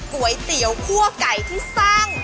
ก๋วยเตี๋ยวคั่วไก่ที่สร้าง